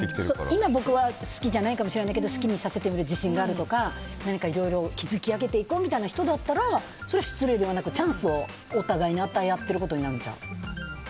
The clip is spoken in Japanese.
今、僕は好きじゃないかもしれないけど好きにさせる自信があるとか何かいろいろ築き上げていこうみたいな人だったらそれは失礼ではなくチャンスをお互いに与え合ってることになるんちゃう。